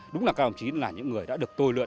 đúng là các ông chí là những người đã được tôi luyện